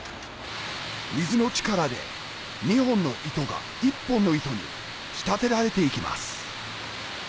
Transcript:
水の力で２本の糸が１本の糸に仕立てられていきます